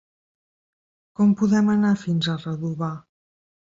Com podem anar fins a Redovà?